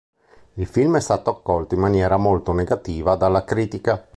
Il film è stato accolto in maniera molto negativa dalla critica.